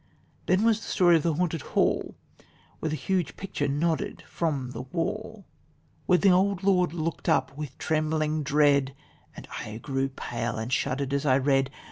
Then was the story of the Haunted Hall, When the huge picture nodded from the wall, "When the old lord looked up with trembling dread, And I grew pale and shuddered as I read.